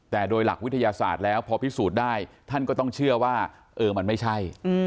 แต่โดยหลักวิทยาศาสตร์แล้วพอพิสูจน์ได้ท่านก็ต้องเชื่อว่าเออมันไม่ใช่